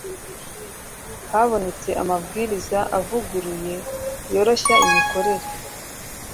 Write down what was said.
Hasohotse amabwiriza avuguruye yoroshya imikorere